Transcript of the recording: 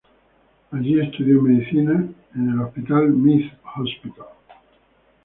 Allí estudió medicina en el Hospital Meath Hospital.